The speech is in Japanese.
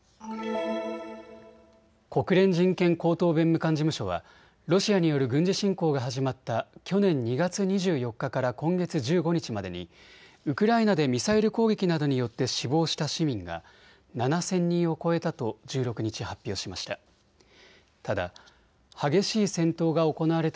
国連人権高等弁務官事務所はロシアによる軍事侵攻が始まった去年２月２４日から今月１５日までにウクライナでミサイル攻撃などによって死亡した市民が７０００人を超えたと１６日、発表しました。